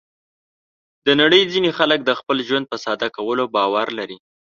د نړۍ ځینې خلک د خپل ژوند په ساده کولو باور لري.